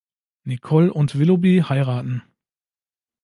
Nicole und Willoughby heiraten.